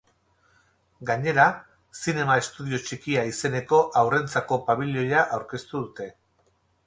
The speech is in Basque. Gainera, zinema-estudio txikia izeneko haurrentzako pabilioa aurkeztu dute.